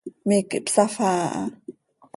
Miiqui hpsafaa aha.